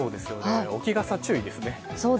置き傘注意ですね。